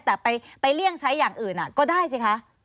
แต่ไปเลี่ยงใช้อย่างอื่นก็ได้สิคะ